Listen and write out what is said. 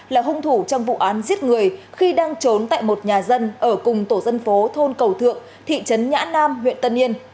là hung thủ trong vụ án giết người khi đang trốn tại một nhà dân ở cùng tổ dân phố thôn cầu thượng thị trấn nhã nam huyện tân yên